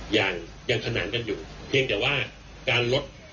ยังยังขนานกันอยู่เพียงแต่ว่าการลด